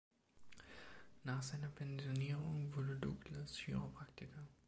Nach seiner Pensionierung wurde Douglas Chiropraktiker.